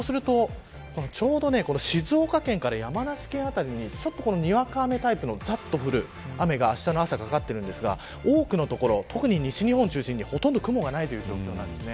ちょうど静岡県から山梨県辺りににわか雨タイプのざっと降る雨が、あしたの朝かかっているんですが、多くの所西日本中心にほとんど雲がない状況です。